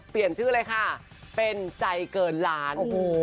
เปลี่ยนชื่อเลยค่ะเป็นใจเกินล้าน